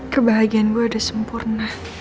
kebahagiaan gue udah sempurna